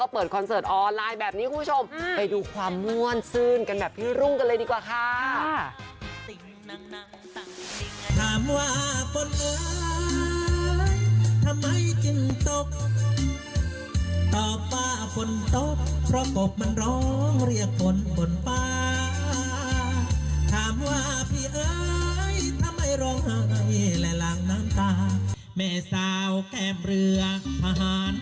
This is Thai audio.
เพื่อนบ้านก็บอกว่าก็โอ๊บโอ๊บลองโอ๊บตามไปเลย